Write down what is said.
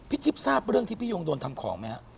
ทิพย์ทราบเรื่องที่พี่โยงโดนทำของไหมครับ